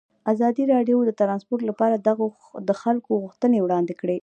ازادي راډیو د ترانسپورټ لپاره د خلکو غوښتنې وړاندې کړي.